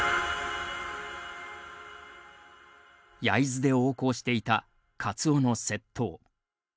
焼津で横行していたカツオの窃盗。